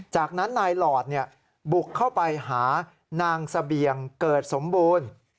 จากนั้นนายหลอดบุกเข้าไปหานางเสบียงเกิดสมบูรณ์